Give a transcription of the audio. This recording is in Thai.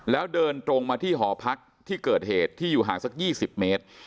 แล้วเดินตรงมาที่หอพักที่เกิดเหตุที่อยู่ห่างสัก๒๐เมตร